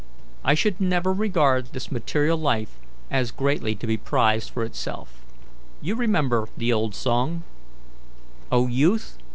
I should never regard this material life as greatly to be prized for itself. You remember the old song: "'O Youth!